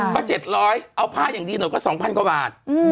ก็๗๐๐เอาผ้าอย่างดีหน่อยก็๒๐๐กว่าบาท